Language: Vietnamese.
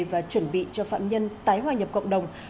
và chuẩn bị cho phạm nhân tái hòa nhập cộng đồng